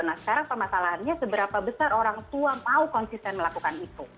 nah sekarang permasalahannya seberapa besar orang tua mau konsisten melakukan itu